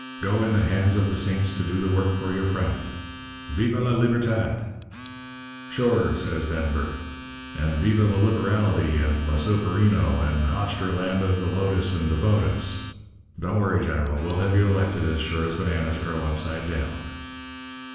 Go, in the hands of the saints to do the work for your friend. Viva la libertad!' "'Sure,' says Denver. 'And viva la liberality an' la soaperino and hoch der land of the lotus and the vote us. Don't worry, General. We'll have you elected as sure as bananas grow upside down.'